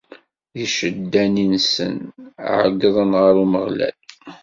Di ccedda-nni-nsen, ɛeyyḍen ɣer Umeɣlal.